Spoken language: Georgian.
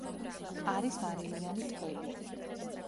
არის მარილიანი ტბები.